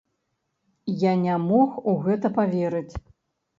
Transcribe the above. Я не мог у гэта паверыць.